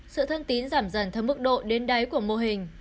sự thân tín giảm dần theo mức độ đến đáy của mô hình